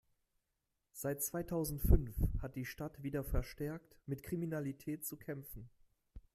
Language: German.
Seit zweitausendfünf hat die Stadt wieder verstärkt mit Kriminalität zu kämpfen.